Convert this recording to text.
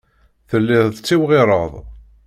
Telliḍ tettiwriɣeḍ.